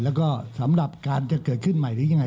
แล้วก็สำหรับการจะเกิดขึ้นใหม่หรือยังไง